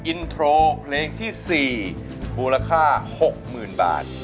อินโทรเพลงที่๔มูลค่า๖๐๐๐บาท